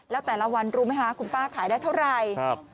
แล้วแต่ละวันรู้ไหมคะคุณป้าขายได้เท่าไหร่